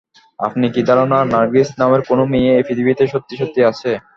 আপনার কি ধারণা, নার্গিস নামের কোনো মেয়ে এই পৃথিবীতে সত্যি-সত্যি আছে?